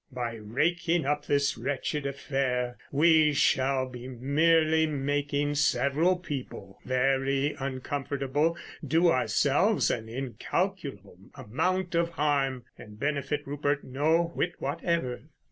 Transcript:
By raking up this wretched affair we shall be merely making several people very uncomfortable, do ourselves an incalculable amount of harm, and benefit Rupert no whit whatever."